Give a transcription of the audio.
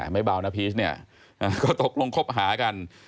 ไม่เบานะพีชเนี่ยก็ตกลงคบหากัน